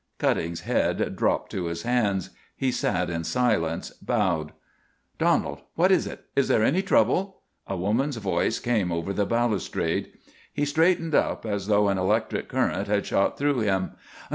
Cutting's head dropped to his hands. He sat in silence, bowed. "Donald, what is it? Is there any trouble?" A woman's voice came over the balustrade. He straightened up, as though an electric current had shot through him.